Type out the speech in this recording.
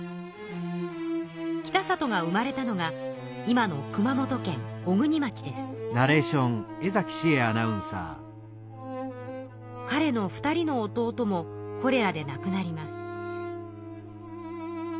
北里が生まれたのがかれの２人の弟もコレラでなくなります。